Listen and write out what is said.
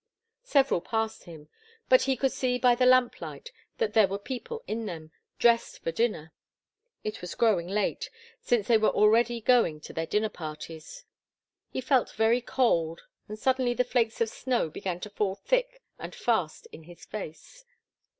Several passed him, but he could see by the lamplight that there were people in them, dressed for dinner. It was growing late, since they were already going to their dinner parties. He felt very cold, and suddenly the flakes of snow began to fall thick and fast in his face.